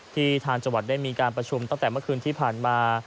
ทางจังหวัดได้มีการประชุมตั้งแต่เมื่อคืนที่ผ่านมา